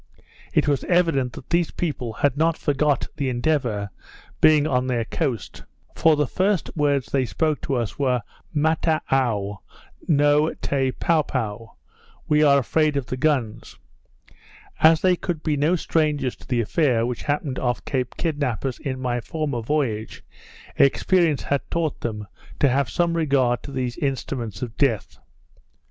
It was evident these people had not forgot the Endeavour being on their coast; for the first words they spoke to us were, Mataou no te pow pow (we are afraid of the guns). As they could be no strangers to the affair which happened off Cape Kidnappers in my former voyage, experience had taught them to have some regard to these instruments of death.